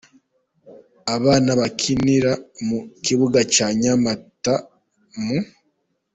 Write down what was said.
Abana bakinira mu kibuga cya NyamataMu